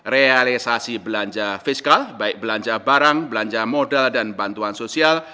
realisasi belanja fiskal baik belanja barang belanja modal dan bantuan sosial